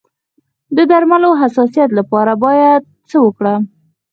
د درملو د حساسیت لپاره باید څه وکړم؟